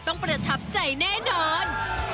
ต้องประทับใจแน่นอน